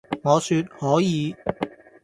我説「可以！」